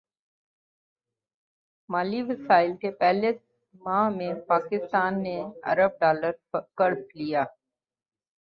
مالی سال کے پہلے ماہ میں پاکستان نے ارب ڈالر قرض لیا